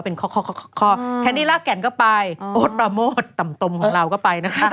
นี่ลากแก่นก็ไปโอ๊ตประโมชน์ตำของเราก็ไปนะคะ